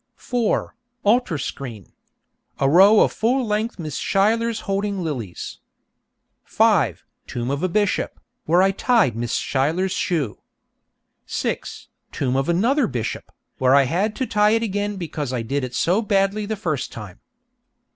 4. Altar screen. A row of full length Miss Schuylers holding lilies. 5. Tomb of a bishop, where I tied Miss Schuyler's shoe. 6. Tomb of another bishop, where I had to tie it again because I did it so badly the first time.